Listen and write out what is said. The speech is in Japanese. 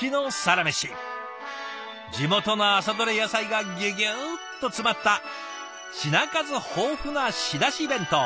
地元の朝どれ野菜がギュギュッと詰まった品数豊富な仕出し弁当。